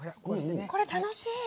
これ楽しい！